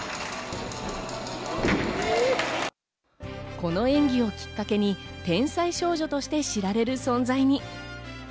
この演技をきっかけに天才少女として知られる存在に。